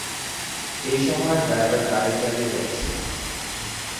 এই সময়ে ড্রাইভার গাড়ি চালিয়ে যাচ্ছিলেন।